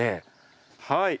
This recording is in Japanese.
はい。